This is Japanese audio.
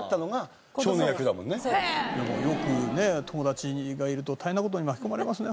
よくね友達がいると大変な事に巻き込まれますね